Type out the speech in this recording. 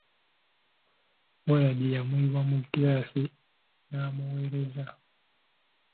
Waragi yamuyiwa mu girasi n'amuweereza.